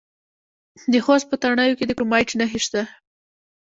د خوست په تڼیو کې د کرومایټ نښې شته.